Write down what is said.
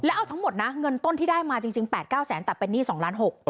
แล้วเอาทั้งหมดนะเงินต้นที่ได้มาจริง๘๙แสนแต่เป็นหนี้๒ล้าน๖